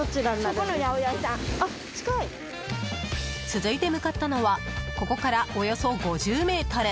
続いて向かったのはここからおよそ５０ｍ。